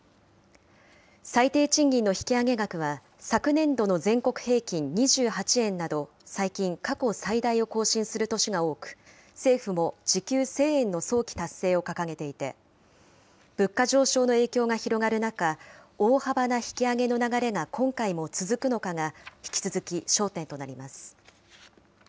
最低賃金の引き上げ額は昨年度の全国平均２８円など、最近、過去最大を更新する年が多く、政府も時給１０００円の早期達成を掲げていて、物価上昇の影響が広がる中、大幅な引き上げの流れが今回も続くのかが、引き続き焦点となります。